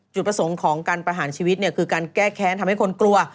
จุดประสงค์ของการประหารชีวิตเนี่ยคือการแก้แค้นทำให้คนกลัว